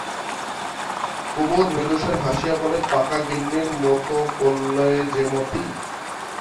কুমুদ মৃদুস্বরে হাসিয়া বলে, পাকা গিন্নির মতো করলে যে মতি?